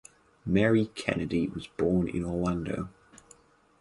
Mary Kennedy was born in Orlando.